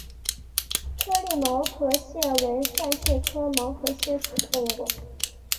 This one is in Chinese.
颗粒毛壳蟹为扇蟹科毛壳蟹属的动物。